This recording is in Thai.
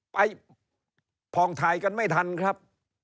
ผ่องถ่ายกันไม่ทันครับ